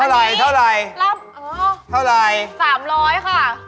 อันนี้นั๊กนี่ใช่เหรอบ๊อบเท่าไหร่